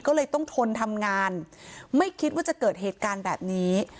ก็เลยต้องทนทำงานไม่คิดว่าจะเกิดเหตุการณ์แบบนี้